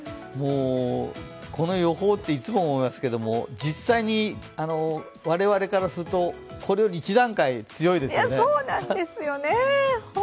この予報って、いつも思いますけど、実際に我々からすると、これより１段階強いですよね。